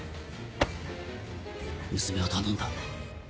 娘を頼んだ。